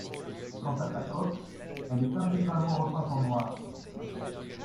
Quant à sa coque, elle est intégralement repeinte en noir.